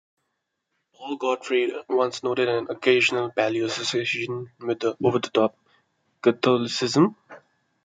Paul Gottfried once noted an occasional paleo association with over-the-top Catholicism.